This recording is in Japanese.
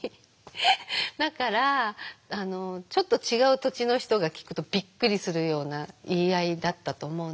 だからちょっと違う土地の人が聞くとびっくりするような言い合いだったと思うんですけど。